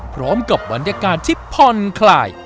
พร้อมกับบรรยากาศที่พลคลาย